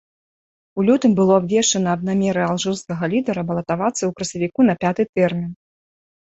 У лютым было абвешчана аб намеры алжырскага лідара балатавацца ў красавіку на пяты тэрмін.